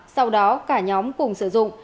sau đó cả nhóm cùng sử dụng